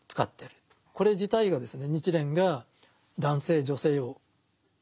これ自体がですね